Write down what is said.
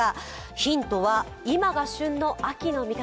ヒントは、今が旬の秋の味覚。